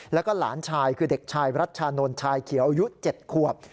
แล้วก็หลานชายคือเด็กชายรัชชานนท์ชายเขียวอายุ๗ขวบ